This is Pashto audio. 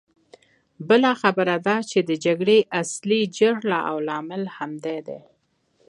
بله خبره دا چې د جګړې اصلي جرړه او لامل همدی دی.